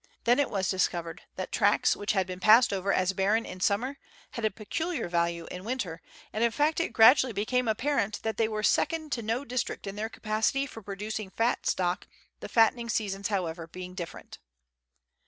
Then it was discovered that Letters from Victorian Pioneers. tracts which had been passed over as barren in summer had a peculiar value in winter, and in fact it gradually became apparent that they were second to no district in their capacity for producing fat stock, the fattening seasons, however, being different.